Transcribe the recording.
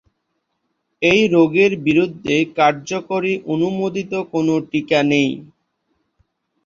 এই রোগের বিরুদ্ধে কার্যকরী অনুমোদিত কোনো টিকা নেই।